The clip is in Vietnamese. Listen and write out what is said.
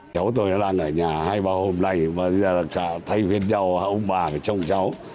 cháu tôi đang ở nhà hai ba hôm nay và thay phiên nhau ông bà trông cháu